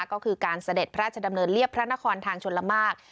ก็คือการเสด็จพระราชดำเนินเรียบพระนครทางชนละมาก